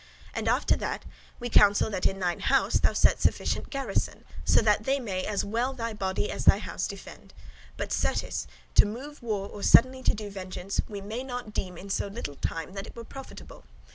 And after that, we counsel that in thine house thou set sufficient garrison, so that they may as well thy body as thy house defend. But, certes, to move war or suddenly to do vengeance, we may not deem [judge] in so little time that it were profitable.